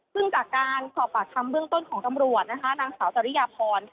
ซึ่งจากการสอบปากคำเบื้องต้นของตำรวจนะคะนางสาวจริยพร